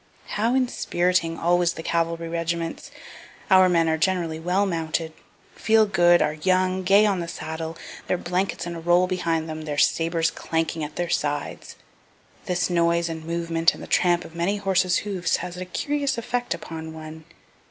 How inspiriting always the cavalry regiments. Our men are generally well mounted, feel good, are young, gay on the saddle, their blankets in a roll behind them, their sabres clanking at their sides. This noise and movement and the tramp of many horses' hoofs has a curious effect upon one.